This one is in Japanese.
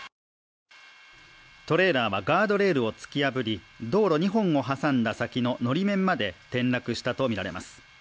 トレーラーはガードレールを突き破り、道路２本を挟んだ先ののり面まで転落したとみられます。